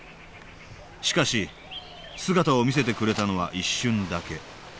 しかし姿を見せてくれたのは一瞬だけ。